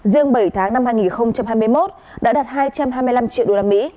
riêng bảy tháng năm hai nghìn hai mươi một đã đạt hai trăm hai mươi năm triệu usd